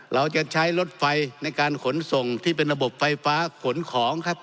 เราจะใช้รถไฟในการขนส่งที่เป็นระบบไฟฟ้าขนของครับ